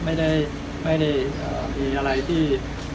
ไม่ได้มีอะไรที่